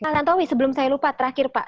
nah nantowi sebelum saya lupa terakhir pak